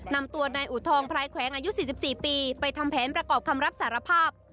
นำตัวนายอูทองพลายแขวงอายุ๔๔ปีไปทำแผนประกอบคำรับสารภาพ